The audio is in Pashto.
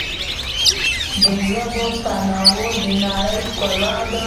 د ژبو تنوع د نړۍ ښکلا ده.